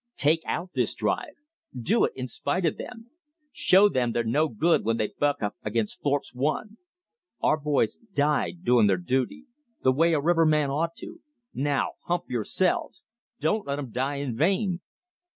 TAKE OUT THIS DRIVE! Do it in spite of them! Show them they're no good when they buck up against Thorpe's One! Our boys died doing their duty the way a riverman ought to. NOW HUMP YOURSELVES! Don't let 'em die in vain!"